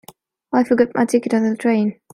I forgot my ticket on the train.